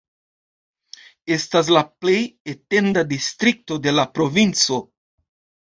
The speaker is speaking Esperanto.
Estas la plej etenda distrikto de la provinco.